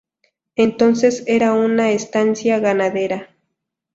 Entonces era una estancia ganadera.